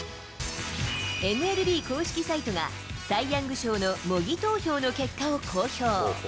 ＭＬＢ公式サイトが、サイ・ヤング賞の模擬投票の結果を公表。